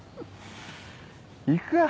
行くか。